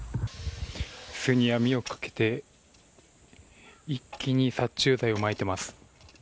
巣に網をかけて一気に殺虫剤をまいています。